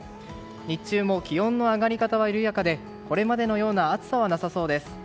日中も気温の上がり方は緩やかでこれまでのような暑さはなさそうです。